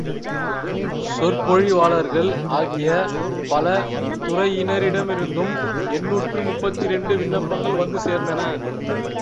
சொற் பொழிவாளர்கள் ஆகிய பல துறையினரிடமிருந்தும் எண்ணூற்று முப்பத்திரண்டு விண்ணப்பங்கள் வந்து சேர்ந்தன.